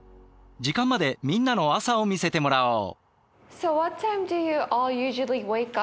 時間までみんなの朝を見せてもらおう。